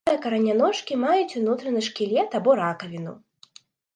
Некаторыя караняножкі маюць унутраны шкілет або ракавіну.